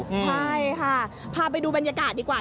ใช่ค่ะพาไปดูบรรยากาศดีกว่า